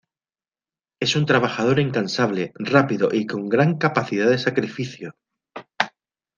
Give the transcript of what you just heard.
Es un trabajador incansable, rápido y con gran capacidad de sacrificio.